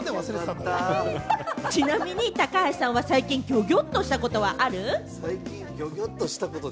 ちなみに高橋さんは最近、ギョギョッとしたことはある？